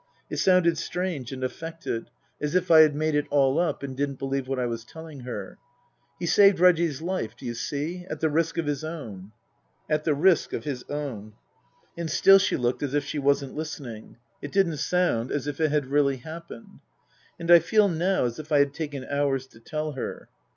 It sounded strange and affected, 326 Tasker Jevons as if I had made it all up and didn't believe what I was telling her. " He saved Reggie's life do you see ? at the risk of his own. " At the risk of his own/' And still she looked as if she wasn't listening. It didn't sound as if it had really happened And I feel now as if I had taken hours to tell her.